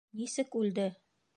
Нисек үлде?